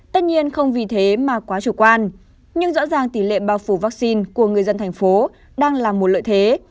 tất nhiên không vì thế mà quá chủ quan nhưng rõ ràng tỷ lệ bao phủ vaccine của người dân thành phố đang là một lợi thế